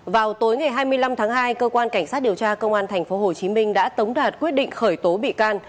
vào tối ngày hai mươi năm tháng hai cơ quan cảnh sát điều tra công an tp hcm đã tống đạt quyết định khởi tố bị can